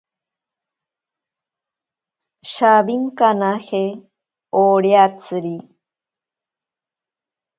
Shawinkanaje oriatsiri.